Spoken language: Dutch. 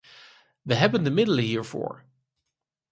We hebben de middelen hiervoor.